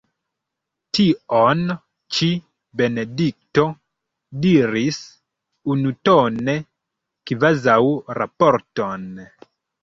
Tion ĉi Benedikto diris unutone, kvazaŭ raporton.